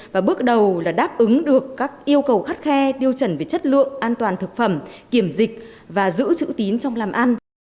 và bước đầu là đáp ứng được các yêu cầu khắt khe tiêu chuẩn về chất lượng an toàn thực phẩm kiểm dịch và giữ chữ tín trong làm ăn